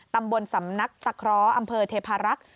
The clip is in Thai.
ตำบลสำนักตะเคราะห์อำเภอเทพารักษ์